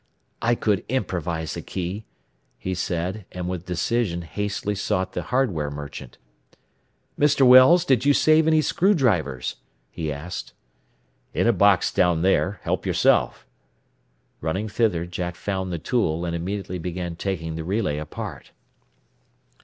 "I could improvise a key," he said, and with decision hastily sought the hardware merchant. "Mr. Wells, did you save any screw drivers?" he asked. "In a box down there. Help yourself." Running thither Jack found the tool, and immediately began taking the relay apart.